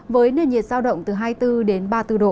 với nền nhiệt sao động từ hai mươi bốn đến ba mươi bốn độ